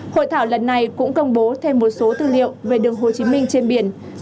hội thảo lần này cũng công bố thêm một số tư liệu về đường hồ chí minh trên biển